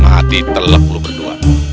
mahati teluk lo kedua